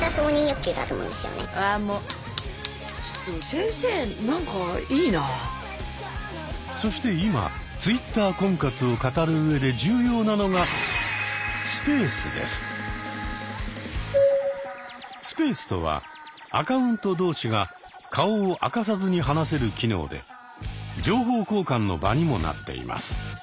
あもうそして今Ｔｗｉｔｔｅｒ婚活を語るうえで重要なのがスペースとはアカウント同士が顔を明かさずに話せる機能で情報交換の場にもなっています。